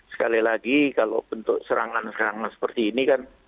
sekali lagi kalau bentuk serangan serangan seperti ini kan